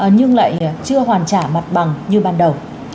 nhưng lại chưa hoàn trả mặt bằng như ban đầu